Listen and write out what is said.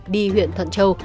đi huyện thận châu